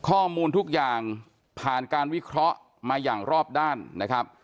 ข้อมูลทุกอย่างผ่านการวิเคราะห์มาอย่างรอบด้านนะครับ